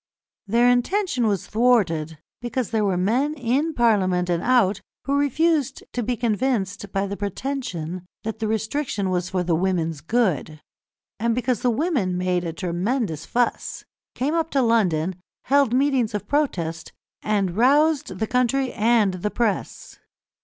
Their intention was thwarted, because there were men in Parliament and out who refused to be convinced by the pretension that the restriction was for the women's good, and because the women made a tremendous fuss, came up to London, held meetings of protest, and roused the country and the press.